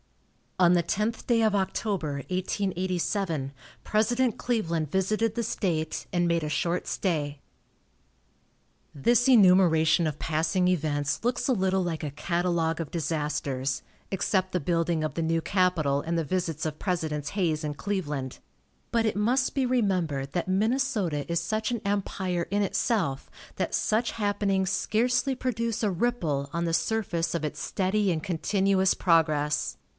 On the tenth day of October, 1887, President Cleveland visited the state, and made a short stay. This enumeration of passing events looks a little like a catalogue of disasters (except the building of the new capitol and the visits of Presidents Hayes and Cleveland), but it must be remembered that Minnesota is such an empire in itself, that such happenings scarcely produce a ripple on the surface of its steady and continuous progress.